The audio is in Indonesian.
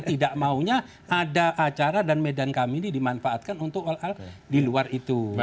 tidak maunya ada acara dan medan kami ini dimanfaatkan untuk hal hal di luar itu